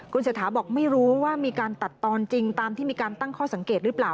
เศรษฐาบอกไม่รู้ว่ามีการตัดตอนจริงตามที่มีการตั้งข้อสังเกตหรือเปล่า